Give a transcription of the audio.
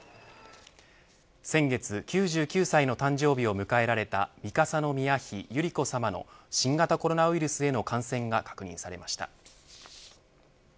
先月９９歳の誕生日を迎えられた三笠宮妃百合子さまの新型コロナウイルスへの感染が確認されました。